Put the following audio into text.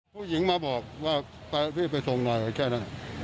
ผู้หญิงมาบอกว่าพี่ไปส่งหน่อยแค่นั้น